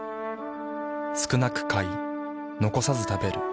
少なく買い残さず食べる。